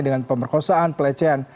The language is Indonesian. dengan pemerkosaan pelecehan